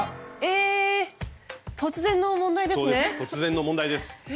突然の問題ですね。